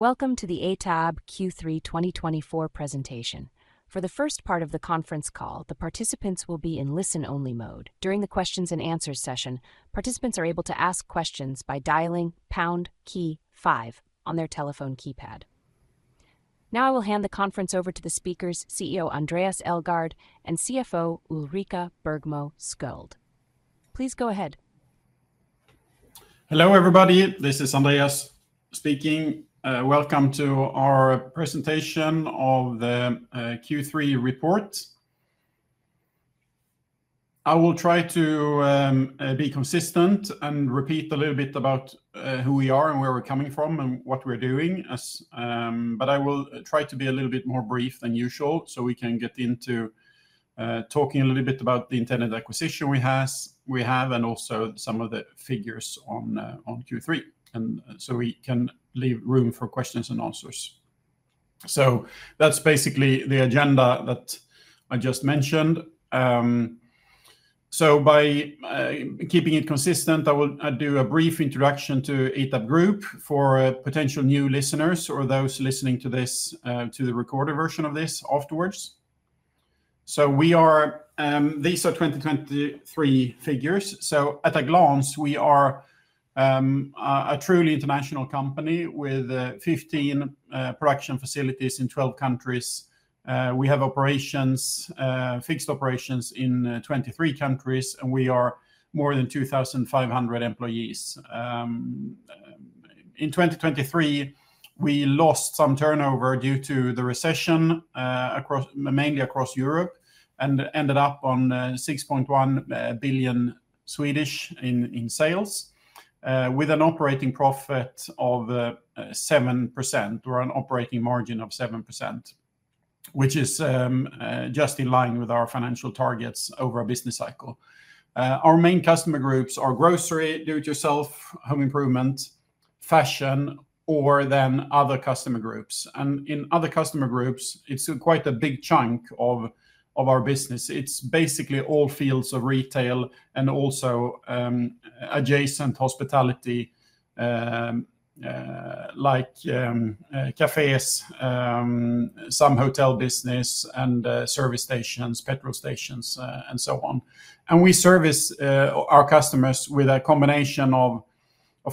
Welcome to the ITAB Q3 2024 presentation. For the first part of the conference call, the participants will be in listen-only mode. During the questions and answers session, participants are able to ask questions by dialing pound key five on their telephone keypad. Now, I will hand the conference over to the speakers, CEO Andréas Elgaard and CFO Ulrika Bergmo Sköld. Please go ahead. Hello, everybody. This is Andréas speaking. Welcome to our presentation of the Q3 report. I will try to be consistent and repeat a little bit about who we are, and where we're coming from, and what we're doing, as. But I will try to be a little bit more brief than usual, so we can get into talking a little bit about the intended acquisition we have, and also some of the figures on Q3, and so we can leave room for questions and answers. So that's basically the agenda that I just mentioned. So by keeping it consistent, I will do a brief introduction to ITAB Group for potential new listeners or those listening to this to the recorded version of this afterwards. So we are. These are 2023 figures. So at a glance, we are a truly international company with 15 production facilities in 12 countries. We have fixed operations in 23 countries, and we are more than 2500 employees. In 2023, we lost some turnover due to the recession mainly across Europe, and ended up on 6.1 billion in sales with an operating profit of 7%, or an operating margin of 7%, which is just in line with our financial targets over a business cycle. Our main customer groups are grocery, do-it-yourself, home improvement, fashion, or then other customer groups, and in other customer groups, it's quite a big chunk of our business. It's basically all fields of retail and also adjacent hospitality, like cafes, some hotel business, and service stations, petrol stations, and so on. We service our customers with a combination, of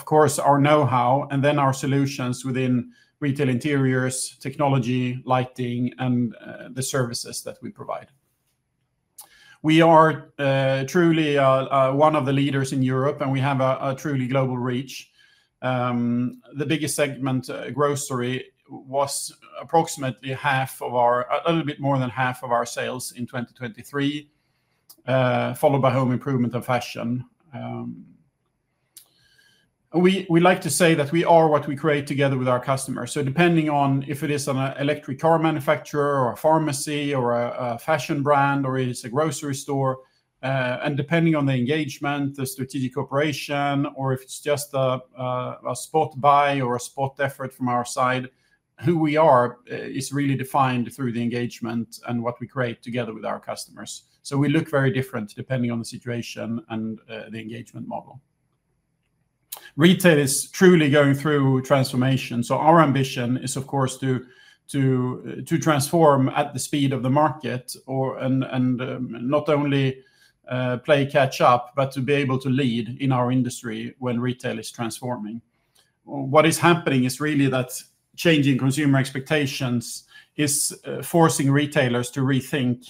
course, our know-how and then our solutions within retail interiors, technology, lighting, and the services that we provide. We are truly one of the leaders in Europe, and we have a truly global reach. The biggest segment, grocery, was approximately a little bit more than half of our sales in 2023, followed by home improvement and fashion. We like to say that we are what we create together with our customers. Depending on if it is an electric car manufacturer, or a pharmacy, or a fashion brand, or it is a grocery store, and depending on the engagement, the strategic operation, or if it's just a spot buy or a spot effort from our side, who we are is really defined through the engagement and what we create together with our customers. We look very different depending on the situation and the engagement model. Retail is truly going through transformation, so our ambition is, of course, to transform at the speed of the market or... not only play catch up, but to be able to lead in our industry when retail is transforming. What is happening is really that changing consumer expectations is forcing retailers to rethink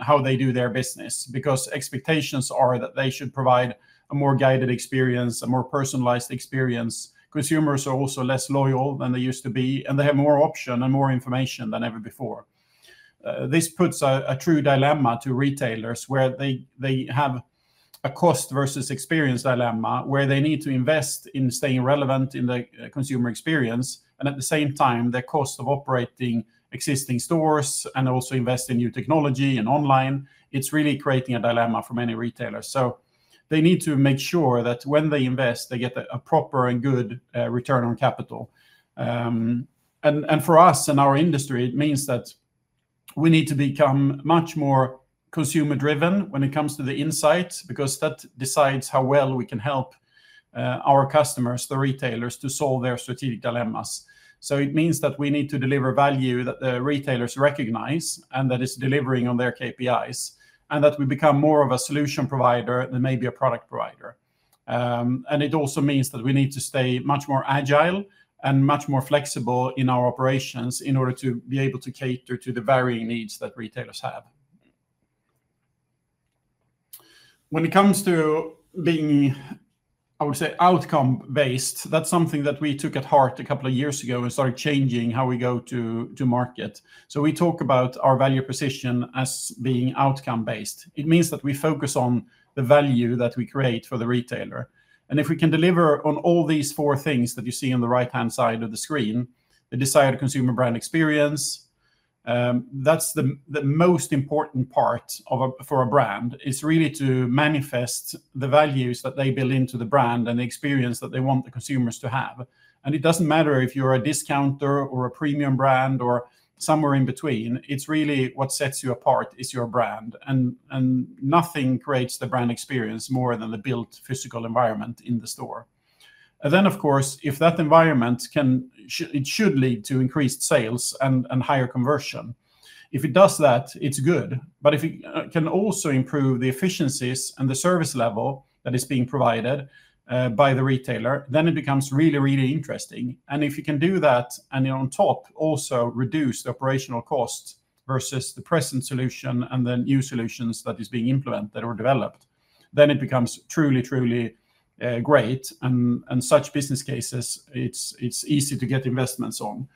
how they do their business, because expectations are that they should provide a more guided experience, a more personalized experience. Consumers are also less loyal than they used to be, and they have more option and more information than ever before. This puts a true dilemma to retailers, where they have a cost versus experience dilemma, where they need to invest in staying relevant in the consumer experience, and at the same time, their cost of operating existing stores and also invest in new technology and online, it's really creating a dilemma for many retailers. So they need to make sure that when they invest, they get a proper and good return on capital. For us and our industry, it means that we need to become much more consumer-driven when it coming to the insight, because that decides how well we can help our customers, the retailers, to solve their strategic dilemmas, so it means that we need to deliver value that the retailers recognize and that is delivering on their KPIs, and that we become more of a solution provider than maybe a product provider, and it also means that we need to stay much more agile and much more flexible in our operations in order to be able to cater to the varying needs that retailers have. When it comes to being, I would say, outcome-based, that's something that we took at heart a couple of years ago and started changing how we go to market, so we talk about our value proposition as being outcome-based. It means that we focus on the value that we create for the retailer, and if we can deliver on all these four things that you see on the right-hand side of the screen, the desired consumer brand experience, that's the most important part for a brand, is really to manifest the values that they build into the brand and the experience that they want the consumers to have. And it doesn't matter if you're a discounter or a premium brand or somewhere in between, it's really what sets you apart is your brand, and nothing creates the brand experience more than the built physical environment in the store. And then, of course, if that environment can, it should lead to increased sales and higher conversion. If it does that, it's good, but if it can also improve the efficiencies and the service level that is being provided by the retailer, then it becomes really, really interesting. And if you can do that, and then on top also reduce the operational costs versus the present solution and the new solutions that is being implemented or developed, then it becomes truly, truly great. And such business cases, it's easy to get investments on.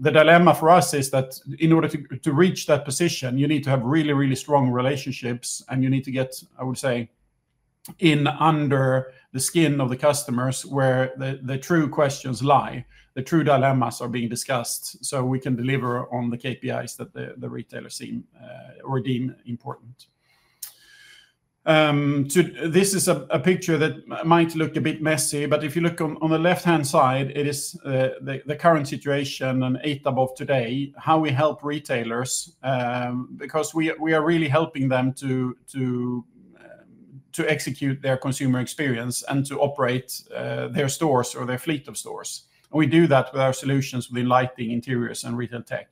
The dilemma for us is that in order to reach that position, you need to have really, really strong relationships, and you need to get, I would say, in under the skin of the customers where the true questions lie, the true dilemmas are being discussed, so we can deliver on the KPIs that the retailers seem or deem important. So this is a picture that might look a bit messy, but if you look on the left-hand side, it is the current situation and ITAB of today, how we help retailers. Because we are really helping them to execute their consumer experience and to operate their stores or their fleet of stores. And we do that with our solutions within lighting, interiors, and retail tech.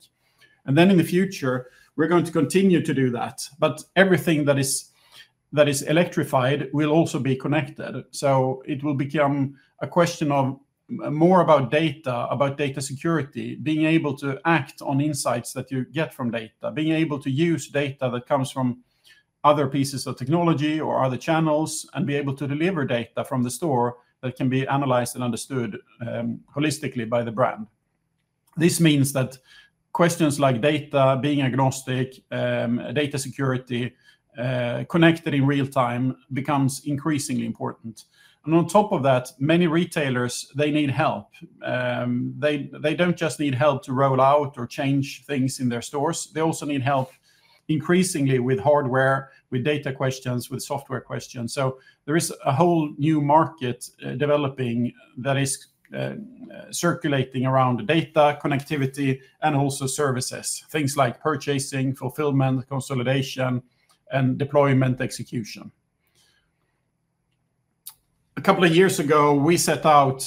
And then in the future, we're going to continue to do that. But everything that is electrified will also be connected. So it will become a question of more about data, about data security, being able to act on insights that you get from data, being able to use data that comes from other pieces of technology or other channels, and be able to deliver data from the store that can be analyzed and understood holistically by the brand. This means that questions like data being agnostic, data security, connected in real time, becomes increasingly important. And on top of that, many retailers need help. They don't just need help to roll out or change things in their stores, they also need help increasingly with hardware, with data questions, with software questions. So there is a whole new market developing that is circulating around data connectivity and also services, things like purchasing, fulfillment, consolidation, and deployment execution. A couple of years ago, we set out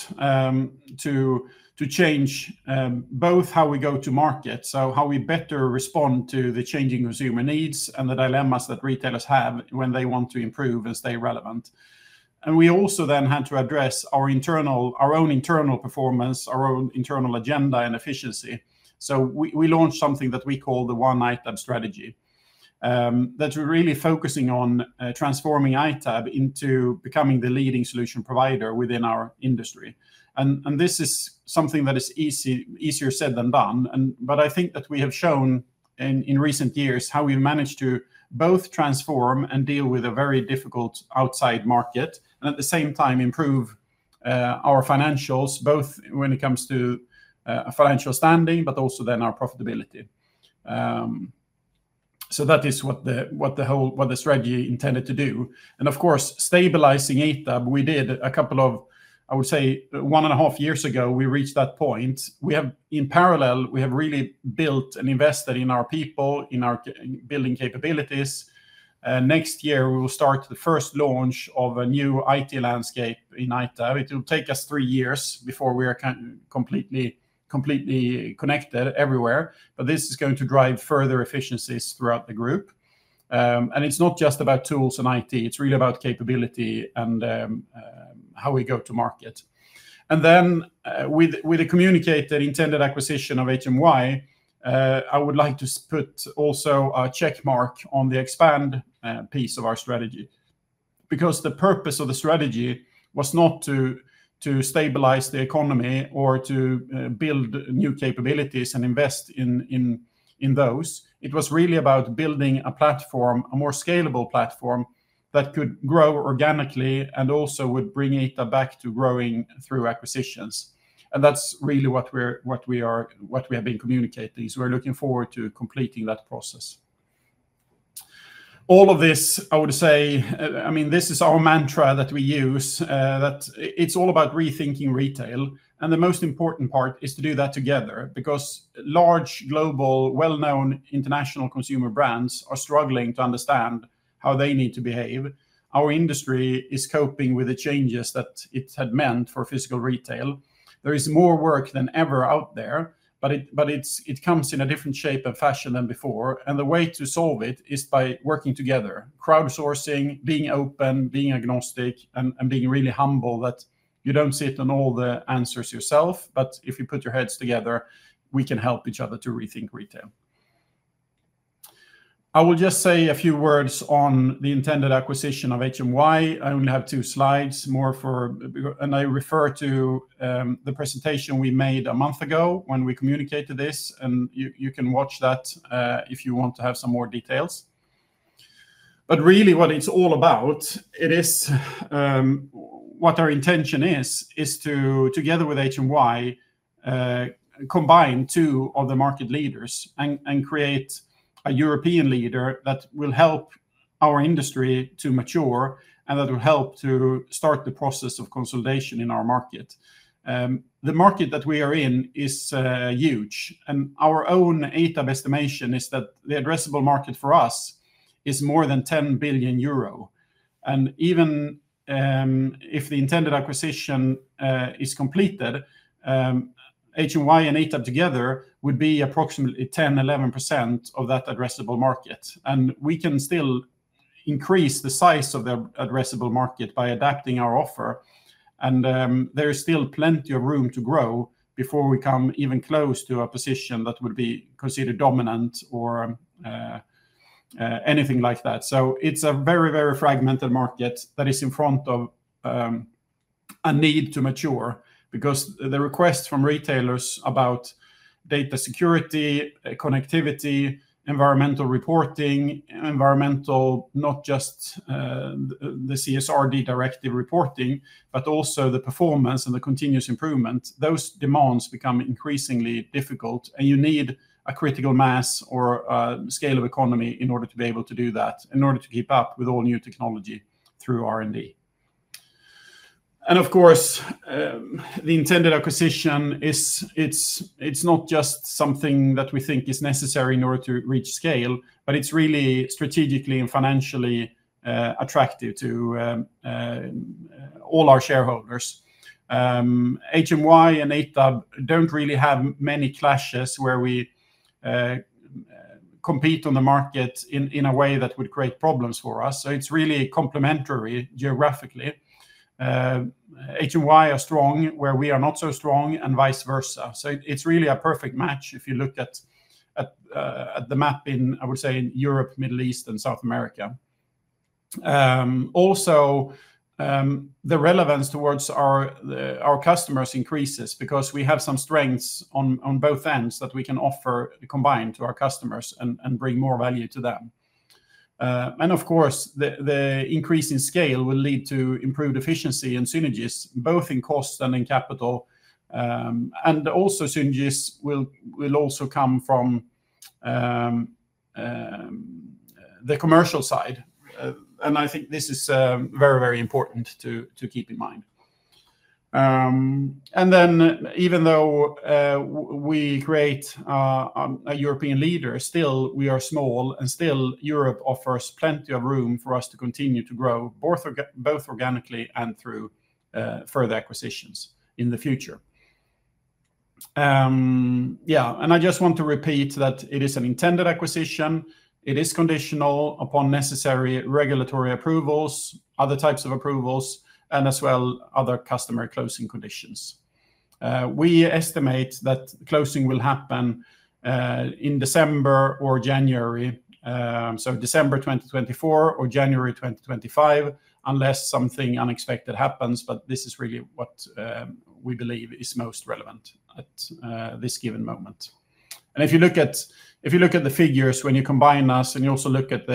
to change both how we go to market, so how we better respond to the changing consumer needs and the dilemmas that retailers have when they want to improve and stay relevant. We also then had to address our own internal performance, our own internal agenda and efficiency, so we launched something that we call the One ITAB strategy, that we're really focusing on, transforming ITAB into becoming the leading solution provider within our industry, and this is something that is easier said than done. I think that we have shown in recent years how we managed to both transform and deal with a very difficult outside market, and at the same time, improve our financials, both when it comes to a financial standing, but also then our profitability. That is what the strategy intended to do. Of course, stabilizing ITAB, we did a couple of, I would say, one and a half years ago, we reached that point. We have, in parallel, really built and invested in our people, in building capabilities. Next year, we will start the first launch of a new IT landscape in ITAB. It will take us three years before we are completely connected everywhere, but this is going to drive further efficiencies throughout the group. And it's not just about tools and IT, it's really about capability and how we go to market. And then, with the communication of the intended acquisition of HMY, I would like to put also a check mark on the expansion piece of our strategy. Because the purpose of the strategy was not to stabilize the economy or to build new capabilities and invest in those, it was really about building a platform, a more scalable platform, that could grow organically and also would bring ITAB back to growing through acquisitions. And that's really what we are, what we have been communicating, so we're looking forward to completing that process. All of this, I would say, I mean, this is our mantra that we use, that it's all about rethinking retail, and the most important part is to do that together, because large global, well-known international consumer brands are struggling to understand how they need to behave. Our industry is coping with the changes that it had meant for physical retail. There is more work than ever out there, but it comes in a different shape and fashion than before, and the way to solve it is by working together, crowdsourcing, being open, being agnostic, and being really humble, that you don't sit on all the answers yourself, but if you put your heads together, we can help each other to rethink retail. I will just say a few words on the intended acquisition of HMY. I only have two slides, more for... I refer to the presentation we made a month ago when we communicated this, and you can watch that if you want to have some more details. But really, what it's all about is what our intention is to, together with HMY, combine two of the market leaders and create a European leader that will help our industry to mature and that will help to start the process of consolidation in our market. The market that we are in is huge, and our own ITAB estimation is that the addressable market for us is more than 10 billion euro... and even if the intended acquisition is completed, HMY and ITAB together would be approximately 10%-11% of that addressable market. And we can still increase the size of the addressable market by adapting our offer, and there is still plenty of room to grow before we come even close to a position that would be considered dominant or anything like that. So it's a very, very fragmented market that is in front of a need to mature. Because the requests from retailers about data security, connectivity, environmental reporting, environmental, not just the CSRD directive reporting, but also the performance and the continuous improvement, those demands become increasingly difficult, and you need a critical mass or a scale of economy in order to be able to do that, in order to keep up with all new technology through R&D. Of course, the intended acquisition is. It's not just something that we think is necessary in order to reach scale, but it's really strategically and financially attractive to all our shareholders. HMY and ITAB don't really have many clashes where we compete on the market in a way that would create problems for us, so it's really complementary geographically. HMY are strong where we are not so strong, and vice versa. So it's really a perfect match if you look at the map, I would say, in Europe, Middle East, and South America. Also, the relevance towards our customers increases because we have some strengths on both ends that we can offer combined to our customers and bring more value to them. And of course, the increase in scale will lead to improved efficiency and synergies, both in cost and in capital. And also synergies will also come from the commercial side, and I think this is very, very important to keep in mind. And then even though we create a European leader, still we are small, and still Europe offers plenty of room for us to continue to grow, both organically and through further acquisitions in the future. And I just want to repeat that it is an intended acquisition. It is conditional upon necessary regulatory approvals, other types of approvals, and as well, other customary closing conditions. We estimate that closing will happen in December or January, so December 2024 or January 2025, unless something unexpected happens, but this is really what we believe is most relevant at this given moment. If you look at the figures, when you combine us, and you also look at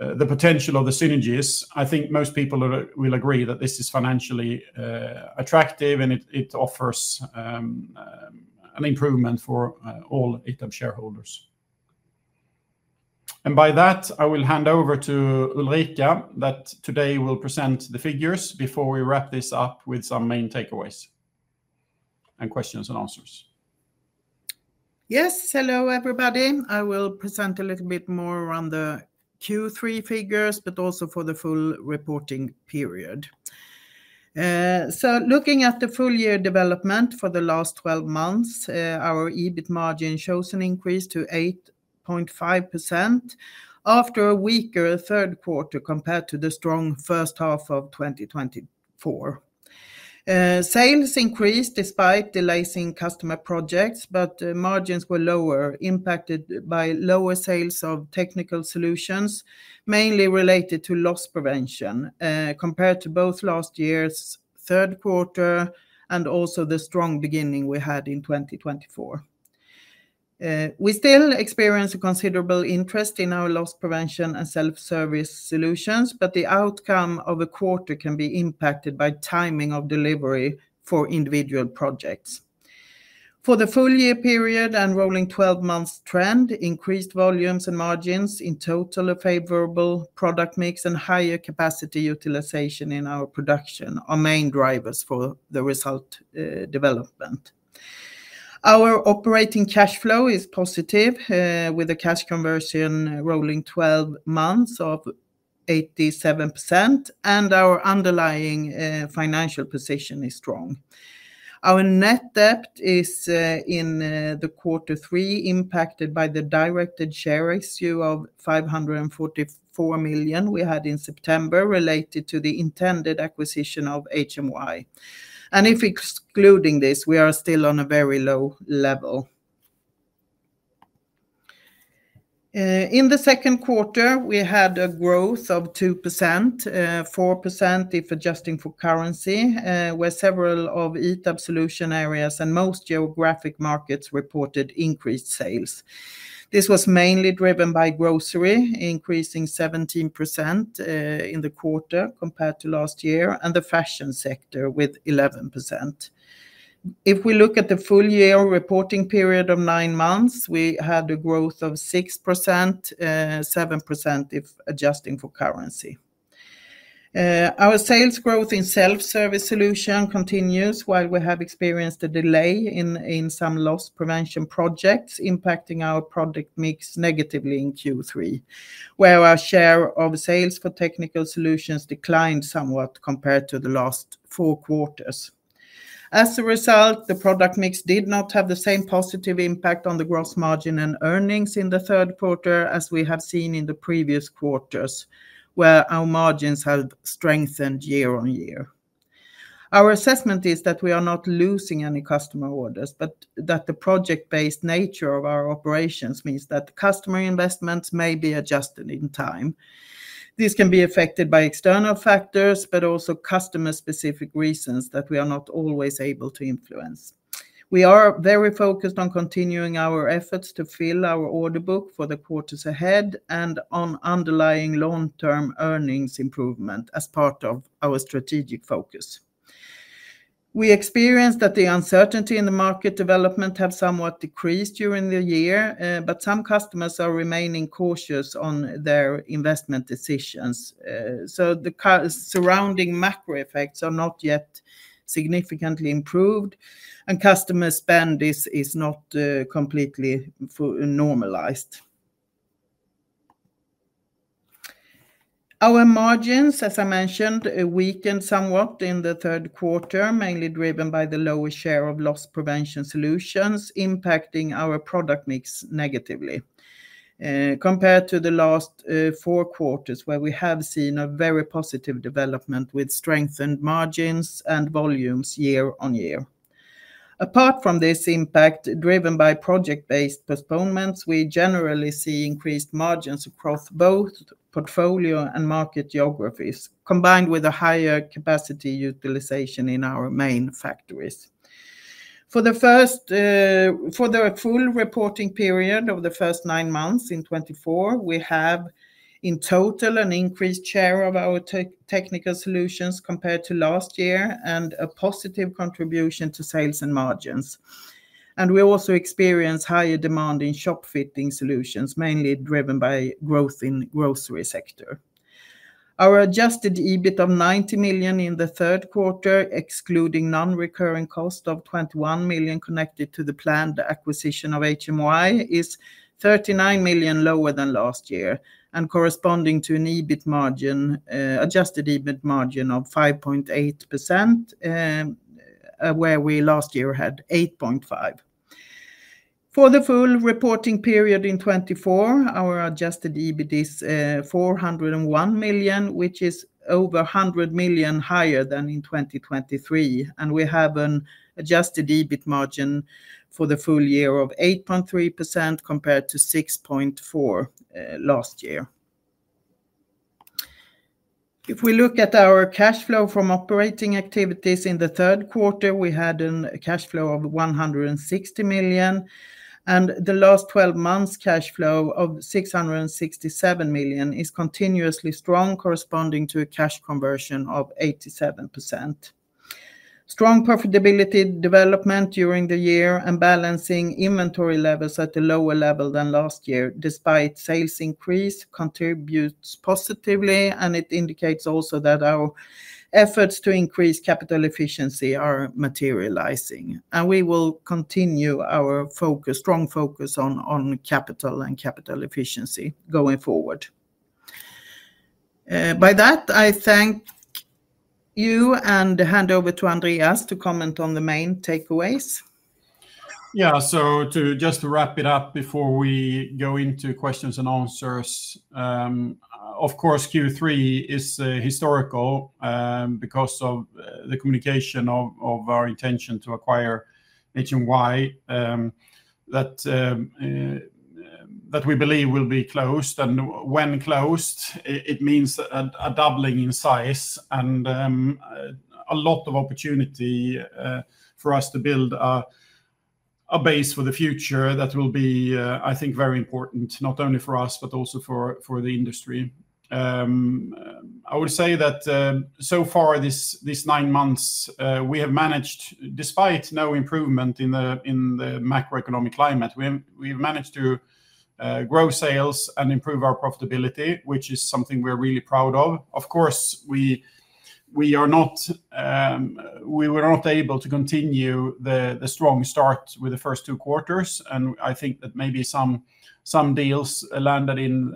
the potential of the synergies, I think most people will agree that this is financially attractive, and it offers an improvement for all ITAB shareholders. By that, I will hand over to Ulrika that today will present the figures before we wrap this up with some main takeaways and questions and answers. Yes, hello, everybody. I will present a little bit more around the Q3 figures, but also for the full reporting period. So looking at the full year development for the last twelve months, our EBIT margin shows an increase to 8.5% after a weaker third quarter compared to the strong first half of 2024. Sales increased despite delays in customer projects, but margins were lower, impacted by lower sales of technical solutions, mainly related to loss prevention, compared to both last year's third quarter and also the strong beginning we had in 2024. We still experience a considerable interest in our loss prevention and self-service solutions, but the outcome of a quarter can be impacted by timing of delivery for individual projects. For the full year period and rolling twelve months trend, increased volumes and margins in total, a favorable product mix, and higher capacity utilization in our production are main drivers for the result, development. Our operating cash flow is positive, with a cash conversion rolling twelve months of 87%, and our underlying financial position is strong. Our net debt is in the quarter three, impacted by the directed share issue of 544 million we had in September, related to the intended acquisition of HMY, and if excluding this, we are still on a very low level. In the second quarter, we had a growth of 2%, 4% if adjusting for currency, where several of ITAB solution areas and most geographic markets reported increased sales. This was mainly driven by grocery, increasing 17% in the quarter compared to last year, and the fashion sector with 11%. If we look at the full year reporting period of nine months, we had a growth of 6%, 7% if adjusting for currency. Our sales growth in self-service solution continues, while we have experienced a delay in some loss prevention projects, impacting our product mix negatively in Q3, where our share of sales for technology solutions declined somewhat compared to the last four quarters. As a result, the product mix did not have the same positive impact on the gross margin and earnings in the third quarter as we have seen in the previous quarters, where our margins have strengthened year on year. Our assessment is that we are not losing any customer orders, but that the project-based nature of our operations means that customer investments may be adjusted in time. This can be affected by external factors, but also customer-specific reasons that we are not always able to influence. We are very focused on continuing our efforts to fill our order book for the quarters ahead, and on underlying long-term earnings improvement as part of our strategic focus. We experienced that the uncertainty in the market development have somewhat decreased during the year, but some customers are remaining cautious on their investment decisions. So the surrounding macro effects are not yet significantly improved, and customer spend is not completely normalized. Our margins, as I mentioned, weakened somewhat in the third quarter, mainly driven by the lower share of loss prevention solutions impacting our product mix negatively, compared to the last four quarters, where we have seen a very positive development with strengthened margins and volumes year on year. Apart from this impact, driven by project-based postponements, we generally see increased margins across both portfolio and market geographies, combined with a higher capacity utilization in our main factories. For the full reporting period of the first nine months in 2024, we have, in total, an increased share of our technical solutions compared to last year, and a positive contribution to sales and margins, and we also experience higher demand in shopfitting solutions, mainly driven by growth in grocery sector. Our adjusted EBIT of 90 million in the third quarter, excluding non-recurring cost of 21 million connected to the planned acquisition of HMY, is 39 million lower than last year, and corresponding to an EBIT margin, adjusted EBIT margin of 5.8%, where we last year had 8.5%. For the full reporting period in 2024, our adjusted EBIT is 401 million, which is over 100 million higher than in 2023, and we have an adjusted EBIT margin for the full year of 8.3%, compared to 6.4% last year. If we look at our cash flow from operating activities in the third quarter, we had a cash flow of 160 million, and the last twelve months cash flow of 667 million is continuously strong, corresponding to a cash conversion of 87%. Strong profitability development during the year and balancing inventory levels at a lower level than last year, despite sales increase, contributes positively, and it indicates also that our efforts to increase capital efficiency are materializing, and we will continue our focus, strong focus on, on capital and capital efficiency going forward. With that, I thank you, and hand over to Andréas to comment on the main takeaways. Yeah, so to just wrap it up before we go into questions and answers, of course, Q3 is historical because of the communication of our intention to acquire HMY, that we believe will be closed, and when closed, it means a doubling in size and a lot of opportunity for us to build a base for the future that will be, I think, very important, not only for us, but also for the industry. I would say that so far these nine months, we have managed, despite no improvement in the macroeconomic climate, we've managed to grow sales and improve our profitability, which is something we're really proud of. Of course, we are not able to continue the strong start with the first two quarters, and I think that maybe some deals landed in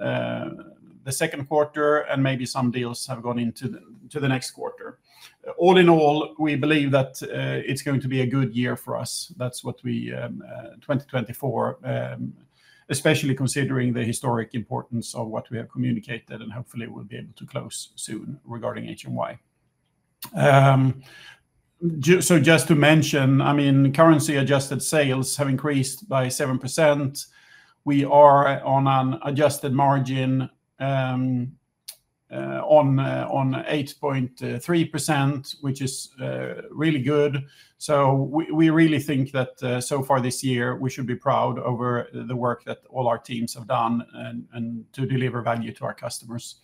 the second quarter, and maybe some deals have gone into the next quarter. All in all, we believe that it's going to be a good year for us. That's what we 2024, especially considering the historic importance of what we have communicated, and hopefully we'll be able to close soon regarding HMY. So just to mention, I mean, currency-adjusted sales have increased by 7%. We are on an adjusted margin on 8.3%, which is really good. So we really think that so far this year, we should be proud over the work that all our teams have done and to deliver value to our customers.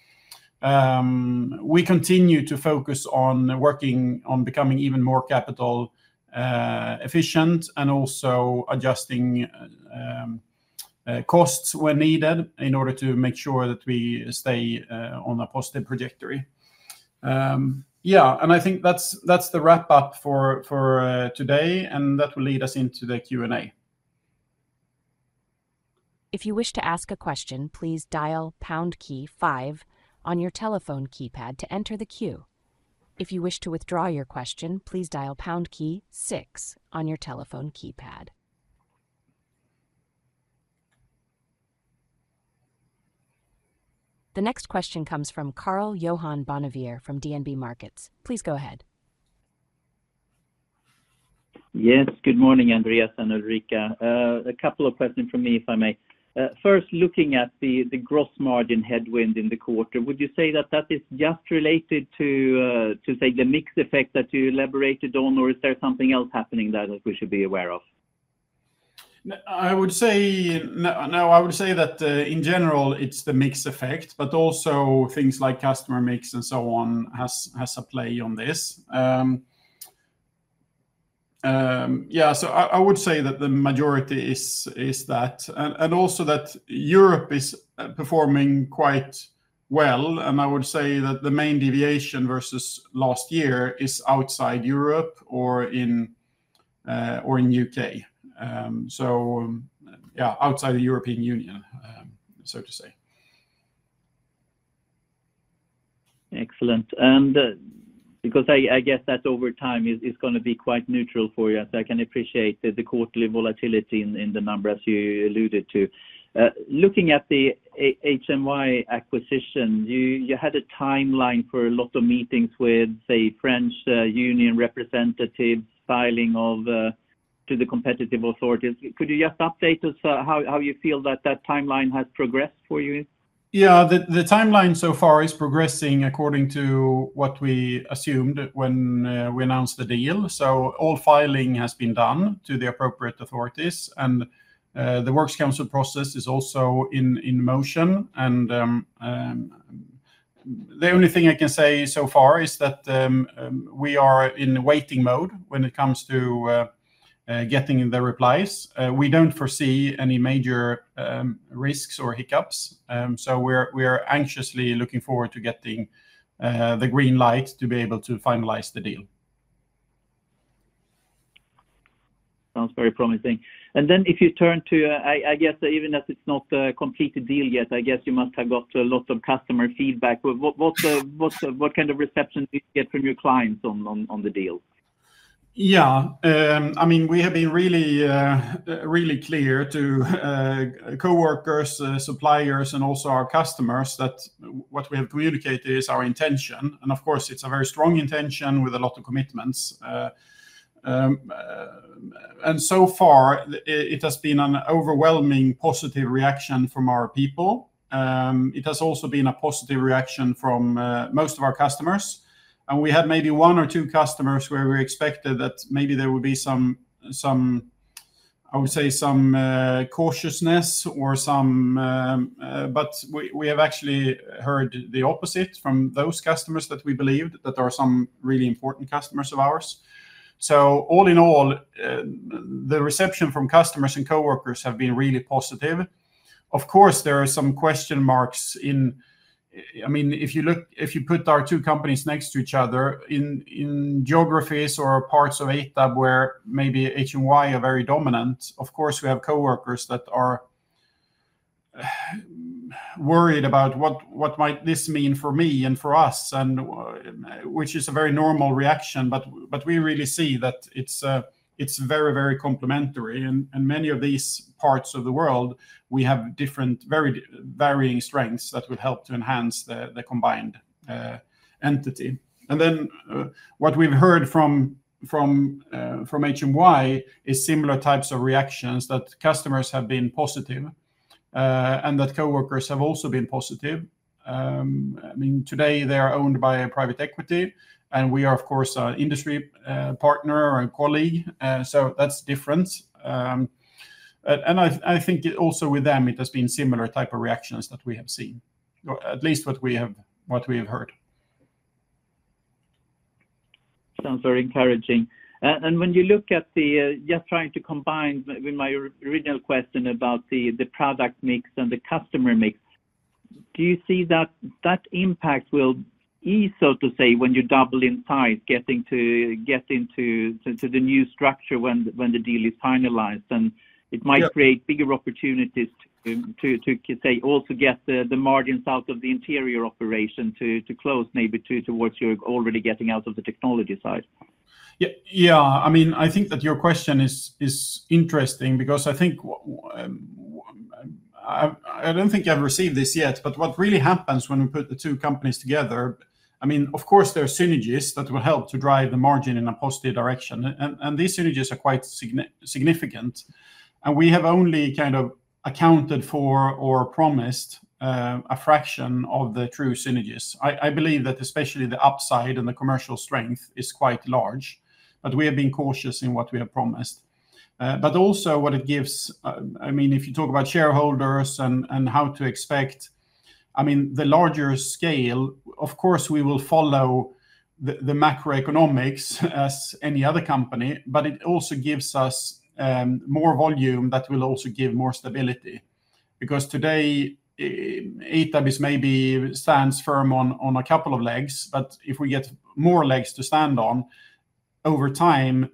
We continue to focus on working on becoming even more capital efficient and also adjusting costs when needed in order to make sure that we stay on a positive trajectory. Yeah, and I think that's the wrap up for today, and that will lead us into the Q&A. If you wish to ask a question, please dial pound key five on your telephone keypad to enter the queue. If you wish to withdraw your question, please dial pound key six on your telephone keypad. The next question comes from Karl-Johan Bonnevier from DNB Markets. Please go ahead. Yes, good morning, Andréas and Ulrika. A couple of questions from me, if I may. First, looking at the gross margin headwind in the quarter, would you say that that is just related to, to say the mix effect that you elaborated on? Or is there something else happening that we should be aware of? No, I would say that, in general, it's the mix effect, but also things like customer mix and so on, has a play on this. Yeah, so I would say that the majority is that, and also that Europe is performing quite well, and I would say that the main deviation versus last year is outside Europe or in U.K. So, yeah, outside the European Union, so to say. Excellent, and because I guess that over time is gonna be quite neutral for you, so I can appreciate the quarterly volatility in the numbers you alluded to. Looking at the HMY acquisition, you had a timeline for a lot of meetings with, say, French union representatives, filing to the competition authorities. Could you just update us how you feel that timeline has progressed for you? Yeah, the timeline so far is progressing according to what we assumed when we announced the deal. So all filing has been done to the appropriate authorities, and the works council process is also in motion. And the only thing I can say so far is that we are in waiting mode when it comes to getting the replies. We don't foresee any major risks or hiccups, so we're anxiously looking forward to getting the green light to be able to finalize the deal. Sounds very promising. And then if you turn to, I guess even if it's not a completed deal yet, I guess you must have got a lot of customer feedback. What kind of reception did you get from your clients on the deal? Yeah, I mean, we have been really, really clear to coworkers, suppliers, and also our customers, that what we have communicated is our intention, and of course, it's a very strong intention with a lot of commitments, and so far, it has been an overwhelming positive reaction from our people. It has also been a positive reaction from most of our customers, and we had maybe one or two customers where we expected that maybe there would be some, I would say, cautiousness or some, but we have actually heard the opposite from those customers that we believed that are some really important customers of ours, so all in all, the reception from customers and coworkers have been really positive. Of course, there are some question marks in... I mean, if you put our two companies next to each other, in geographies or parts of ITAB, where maybe HMY are very dominant, of course, we have coworkers that are worried about what this might mean for me and for us, which is a very normal reaction. But we really see that it's very, very complementary. In many of these parts of the world, we have different, very varying strengths that will help to enhance the combined entity. Then what we've heard from HMY is similar types of reactions, that customers have been positive, and that coworkers have also been positive. I mean, today they are owned by a private equity, and we are, of course, an industry partner and colleague, so that's different. I think also with them it has been similar type of reactions that we have seen, or at least what we have heard. Sounds very encouraging. And when you look at the... Just trying to combine with my original question about the product mix and the customer mix, do you see that that impact will ease, so to say, when you double in size, getting to the new structure when the deal is finalized? And- Yeah... it might create bigger opportunities to say, also get the margins out of the interior operation to close maybe to what you're already getting out of the technology side? Yeah. Yeah, I mean, I think that your question is interesting because I think I don't think I've received this yet, but what really happens when we put the two companies together, I mean, of course, there are synergies that will help to drive the margin in a positive direction, and these synergies are quite significant, and we have only kind of accounted for or promised a fraction of the true synergies. I believe that especially the upside and the commercial strength is quite large, but we have been cautious in what we have promised. But also what it gives, I mean, if you talk about shareholders and how to expect-... I mean, the larger scale, of course, we will follow the macroeconomics as any other company, but it also gives us more volume that will also give more stability. Because today, ITAB maybe stands firm on a couple of legs, but if we get more legs to stand on, over time,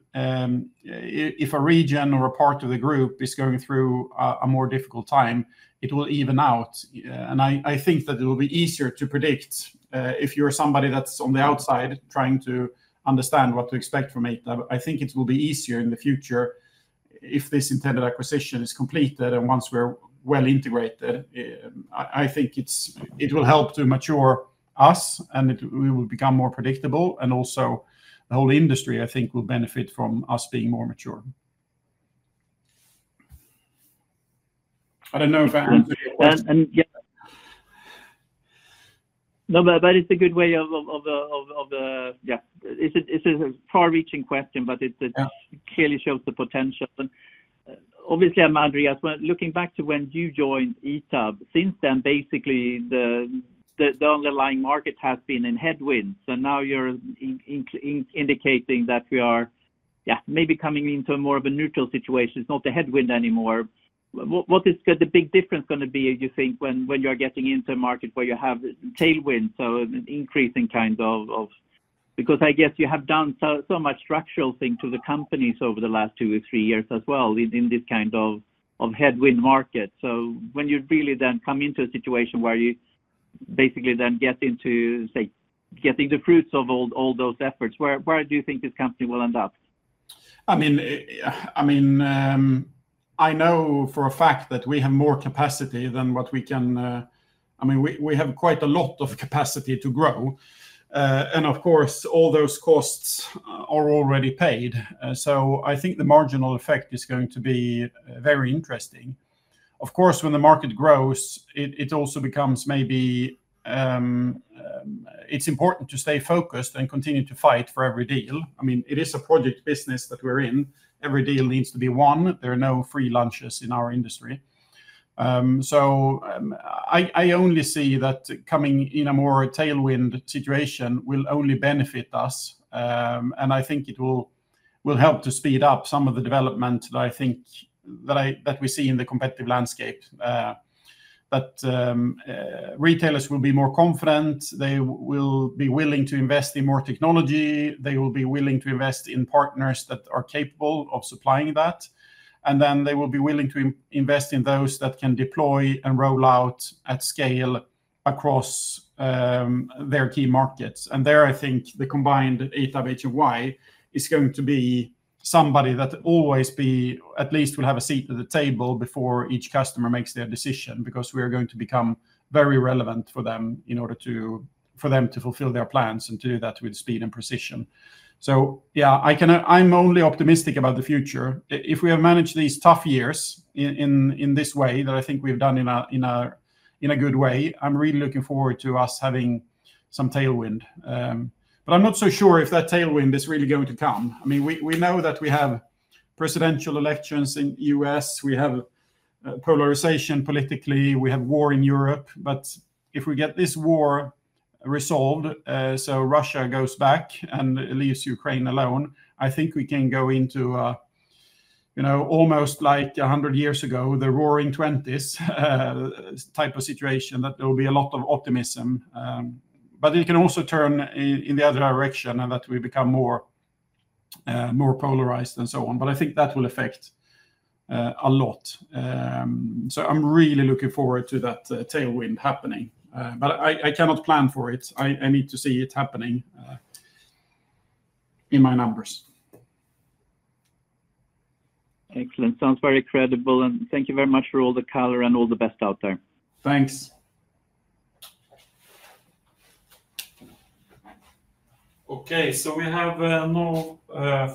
if a region or a part of the group is going through a more difficult time, it will even out, and I think that it will be easier to predict if you're somebody that's on the outside trying to understand what to expect from ITAB. I think it will be easier in the future if this intended acquisition is completed, and once we're well-integrated, I think it will help to mature us, and we will become more predictable. And also, the whole industry, I think, will benefit from us being more mature. I don't know if that answers your question. Yeah. No, but it's a good way of. Yeah, it's a far-reaching question, but it- Yeah... clearly shows the potential. And obviously, I'm wondering as well, looking back to when you joined ITAB, since then, basically, the underlying market has been in headwinds, and now you're indicating that we are, yeah, maybe coming into more of a neutral situation. It's not a headwind anymore. What is the big difference gonna be, you think, when you're getting into a market where you have tailwind, so an increasing kind of... Because I guess you have done so much structural thing to the companies over the last two or three years as well in this kind of headwind market. So when you really then come into a situation where you basically then get into, say, getting the fruits of all those efforts, where do you think this company will end up? I mean, I know for a fact that we have more capacity than what we can. I mean, we have quite a lot of capacity to grow. And of course, all those costs are already paid, so I think the marginal effect is going to be very interesting. Of course, when the market grows, it also becomes maybe it's important to stay focused and continue to fight for every deal. I mean, it is a project business that we're in. Every deal needs to be won. There are no free lunches in our industry. So, I only see that coming in a more tailwind situation will only benefit us. And I think it will help to speed up some of the development that we see in the competitive landscape. Retailers will be more confident. They will be willing to invest in more technology. They will be willing to invest in partners that are capable of supplying that, and then they will be willing to invest in those that can deploy and roll out at scale across their key markets. There, I think the combined ITAB-HMY is going to be somebody that always at least will have a seat at the table before each customer makes their decision, because we are going to become very relevant for them in order for them to fulfill their plans, and to do that with speed and precision. Yeah, I'm only optimistic about the future. If we have managed these tough years in this way, that I think we've done in a good way, I'm really looking forward to us having some tailwind. But I'm not so sure if that tailwind is really going to come. I mean, we know that we have presidential elections in U.S., we have polarization politically, we have war in Europe. But if we get this war resolved, so Russia goes back and leaves Ukraine alone, I think we can go into a, you know, almost like 100 years ago, the Roaring 2020s, type of situation, that there will be a lot of optimism. But it can also turn in the other direction, and that we become more, more polarized and so on. But I think that will affect a lot. So I'm really looking forward to that tailwind happening. But I cannot plan for it. I need to see it happening in my numbers. Excellent. Sounds very credible, and thank you very much for all the color, and all the best out there. Thanks. Okay, so we have no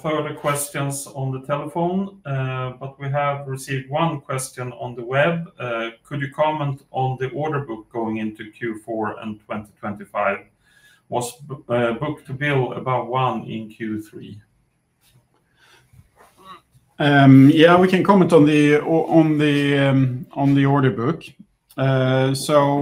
further questions on the telephone, but we have received one question on the web. Could you comment on the order book going into Q4 and 2025? Was book-to-bill above one in Q3? Yeah, we can comment on the order book. So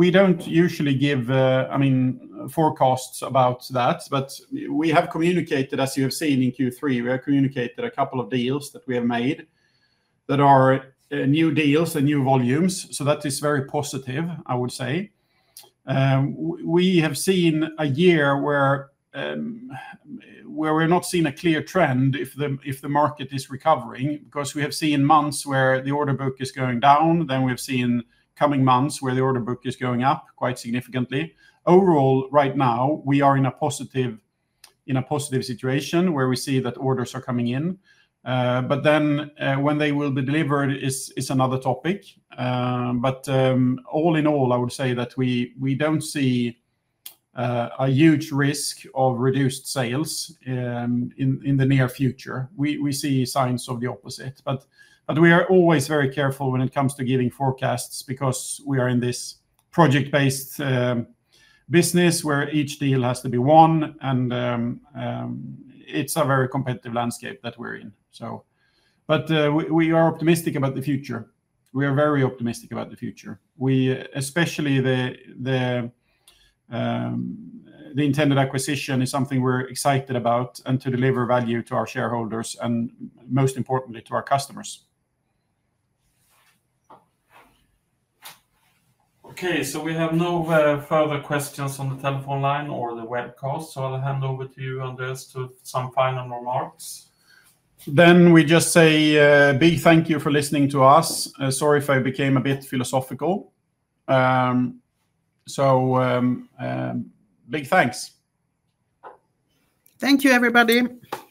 we don't usually give, I mean, forecasts about that, but we have communicated, as you have seen in Q3, we have communicated a couple of deals that we have made that are new deals and new volumes, so that is very positive, I would say. We have seen a year where we're not seeing a clear trend if the market is recovering, because we have seen months where the order book is going down, then we've seen coming months where the order book is going up quite significantly. Overall, right now, we are in a positive situation, where we see that orders are coming in. But then, when they will be delivered is another topic. All in all, I would say that we don't see a huge risk of reduced sales in the near future. We see signs of the opposite, but we are always very careful when it comes to giving forecasts, because we are in this project-based business, where each deal has to be won, and it's a very competitive landscape that we're in, so we are optimistic about the future. We are very optimistic about the future. Especially the intended acquisition is something we're excited about, and to deliver value to our shareholders and, most importantly, to our customers. Okay, so we have no further questions on the telephone line or the web call, so I'll hand over to you, Andreas, to some final remarks. Then we just say, big thank you for listening to us. Sorry if I became a bit philosophical. Big thanks. Thank you, everybody!